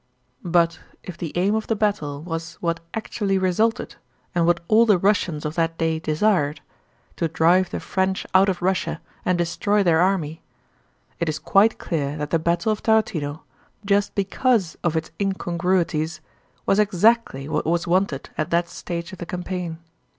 But if the aim of the battle was what actually resulted and what all the Russians of that day desired—to drive the French out of Russia and destroy their army—it is quite clear that the battle of Tarútino, just because of its incongruities, was exactly what was wanted at that stage of the campaign.